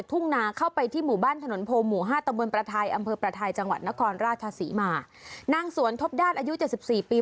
อยากให้มันโตไปกว่านี้เลย